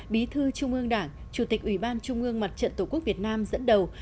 bí thư trung ương đảng chủ tịch ủy ban trung ương mặt trận tổ quốc việt nam dẫn đầu